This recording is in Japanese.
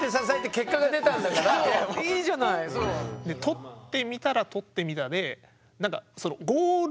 取ってみたら取ってみたでなんか